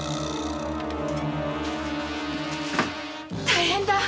大変だ！